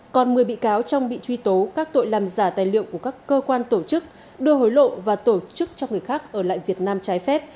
còn một mươi bị cáo trong bị truy tố các tội làm giả tài liệu của các cơ quan tổ chức đưa hối lộ và tổ chức cho người khác ở lại việt nam trái phép